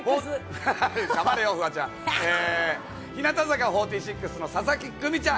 日向坂４６の佐々木久美ちゃん。